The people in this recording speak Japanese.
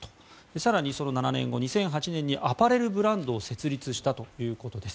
更にその７年後、２００８年にアパレルブランドを設立したということです。